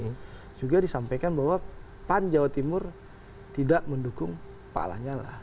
yang juga disampaikan bahwa pan jawa timur tidak mendukung pak lanyala